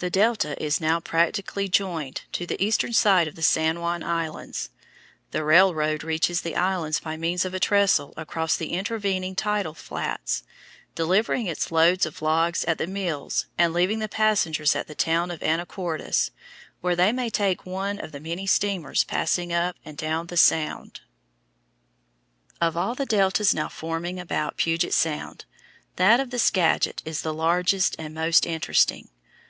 The delta is now practically joined to the eastern side of the San Juan Islands. The railroad reaches the islands by means of a trestle across the intervening tidal flats, delivering its load of logs at the mills and leaving the passengers at the town of Anacortes, where they may take one of the many steamers passing up and down the sound. [Illustration: FIG. 57. THE DELTA OF THE SKAGIT RIVER Enveloping former islands in Puget Sound] Of all the deltas now forming about Puget Sound that of the Skagit is the largest and most interesting.